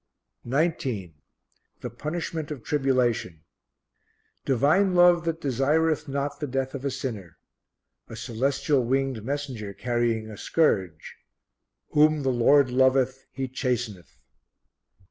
19. The Punishment of Tribulation. Divine Love that desireth not the death of a sinner. A celestial winged messenger carrying a scourge: "Whom the Lord loveth He chasteneth."